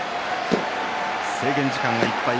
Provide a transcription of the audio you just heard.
制限時間いっぱい。